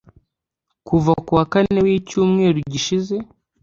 Ku wa Kane w’icyumweru gishize